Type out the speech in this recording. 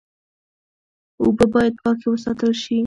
اوبه باید پاکې وساتل شي.